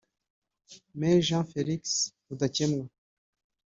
Me Jean Felix Rudakemwa